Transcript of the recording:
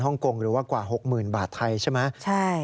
กงหรือว่ากว่า๖๐๐๐บาทไทยใช่ไหม